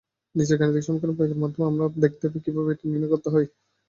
নিচের গানিতিক সমীকরণ প্রয়োগের মাধ্যমে আমরা দেখতে পাই কিভাবে এটি নির্ণয় করতে হয়।